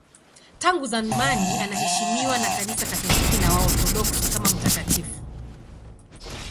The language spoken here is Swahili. Tangu zamani anaheshimiwa na Kanisa Katoliki na Waorthodoksi kama mtakatifu.